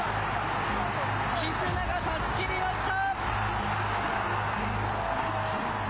キズナが差し切りました。